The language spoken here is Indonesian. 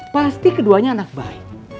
pasti keduanya anak baik